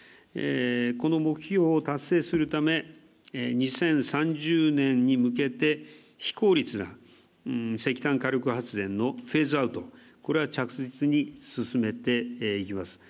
この目標を達成するため２０３０年に向けて非効率な石炭火力発電のフェーズアウト、これは着実に進めていきます。